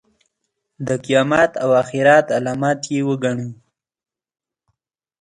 د قیامت او آخرت علامت یې وګڼو.